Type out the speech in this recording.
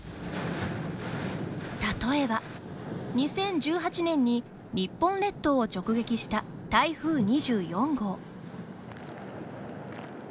例えば、２０１８年に日本列島を直撃した台風２４号。